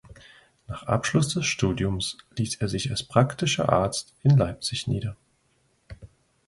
Nach Abschluss des Studiums ließ er sich als praktischer Arzt in Leipzig nieder.